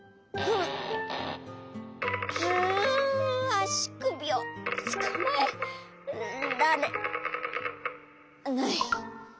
あしくびをつかまえられない。